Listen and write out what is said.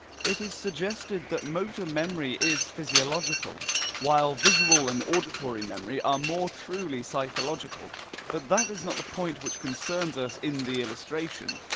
It is suggested that motor memory is physiological, while visual and auditory memory are more truly psychological. But that is not the point which concerns us in the illustration.